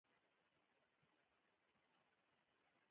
د دنیا مینه د ګناه ریښه ده.